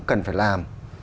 cần phải làm